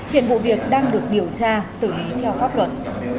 hiện vụ việc đang được điều tra xử lý theo pháp luật